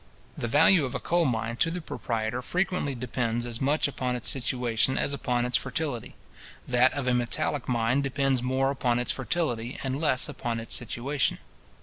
The value of a coal mine to the proprietor, frequently depends as much upon its situation as upon its fertility. That of a metallic mine depends more upon its fertility, and less upon its situation.